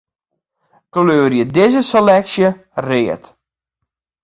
Kleurje dizze seleksje read.